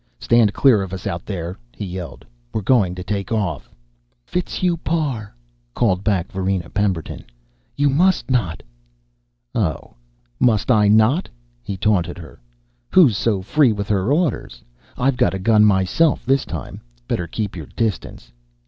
"Stand clear of us, out there!" he yelled. "We're going to take off." "Fitzhugh Parr," called back Varina Pemberton, "you must not." "Oh, must I not?" he taunted her. "Who's so free with her orders? I've got a gun myself this time. Better keep your distance."